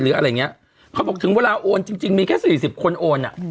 เขาบอกถึงเวลโอนมีแค่๔๐คนโอน